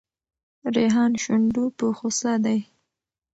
ریحان شونډو په غوسه دی.